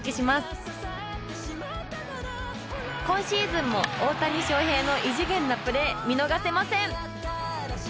今シーズンも大谷翔平の異次元なプレー見逃せません！